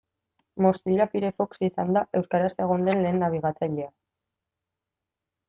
Mozilla Firefox izan da euskaraz egon den lehen nabigatzailea.